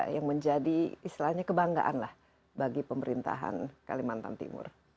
yang menjadi istilahnya kebanggaan lah bagi pemerintahan kalimantan timur